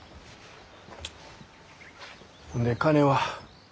ほんで金は？